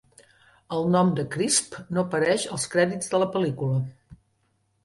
El nom de Crisp no apareix als crèdits de la pel·lícula.